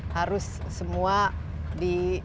harus semua di